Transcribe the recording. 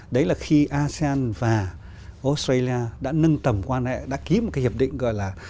đấy là khi asean và australia đã nâng tầm quan hệ đã ký một cái hiệp định gọi là